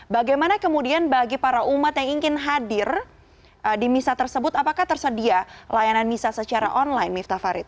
bagaimana kemudian bagi para umat yang ingin hadir di misa tersebut apakah tersedia layanan misa secara online miftah farid